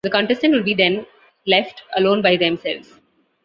The contestant would then be left alone by themselves.